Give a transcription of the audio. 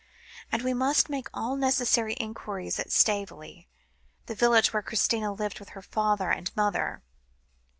And we must make all necessary enquiries at Staveley the village where Christina lived with her father and mother.